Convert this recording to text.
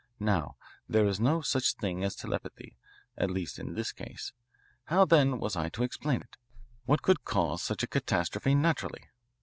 Now, there is no such thing as telepathy, at least in this case. How then was I to explain it? What could cause such a catastrophe naturally?